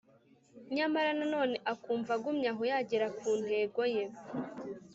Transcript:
nyamara nanone akumva agumyaho yagera kuntego ye